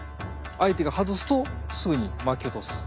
相手が外すとすぐに巻き落とす。